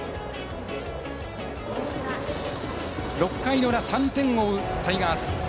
６回の裏、３点を追うタイガース。